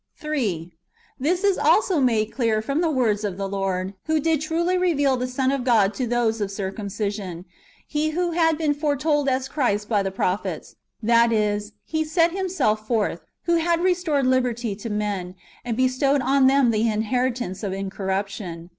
3. This is also made clear from the words of the Lord, who did truly reveal the Son of God to those of the circum cision— Him who had been foretold as Christ by the prophets ; that is. He set Himself forth, who had restored liberty to men, and bestowed on them the inheritance of incorruption.